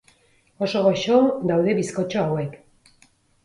Oso goxo daude bizkotxo hauek.